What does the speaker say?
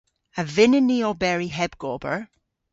A vynnyn ni oberi heb gober?